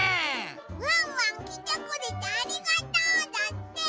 「ワンワンきてくれてありがとう」だって！